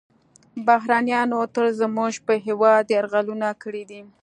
بهرنیانو تل زموږ په هیواد یرغلونه کړي دي